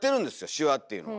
シワっていうのは。